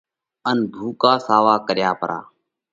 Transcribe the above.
ان ڀُوڪا ساوا ڪريا پرا۔